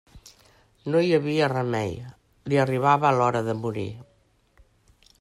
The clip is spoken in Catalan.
No hi havia remei: li arribava l'hora de morir.